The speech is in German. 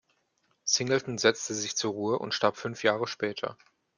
Singleton setzte sich zur Ruhe und starb fünf Jahre später.